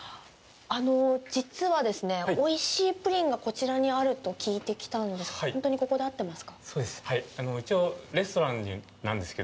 実はですね、おいしいプリンがこちらにあると聞いて来たんですけどほんとにここであってますか？